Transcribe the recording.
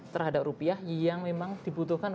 terhadap rupiah yang memang dibutuhkan